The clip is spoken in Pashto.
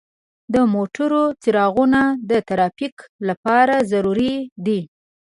د موټرو څراغونه د ترافیک لپاره ضروري دي.